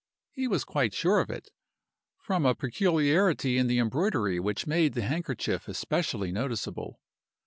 He was quite sure of it, from a peculiarity in the embroidery which made the handkerchief especially noticeable.